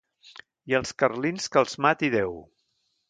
I als carlins que els mati Déu.